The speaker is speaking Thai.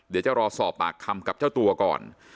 เดี๋ยวจะรอสอบปากคำกับเจ้าตัวก่อน